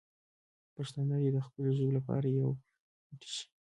پښتانه دې د خپلې ژبې لپاره یو موټی شي.